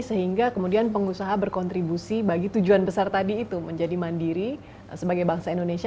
sehingga kemudian pengusaha berkontribusi bagi tujuan besar tadi itu menjadi mandiri sebagai bangsa indonesia